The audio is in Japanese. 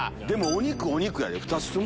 でもお肉お肉やで。